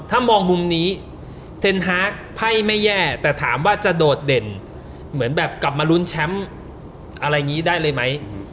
ถ้ามองมุมนี้เทนฮาร์กไพ่ไม่แย่แต่ถามว่าจะโดดเด่นเหมือนแบบกลับมาลุ้นแชมป์อะไรอย่างนี้ได้เลยไหม